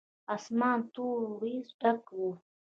اسمان تورو وريځو ډک و.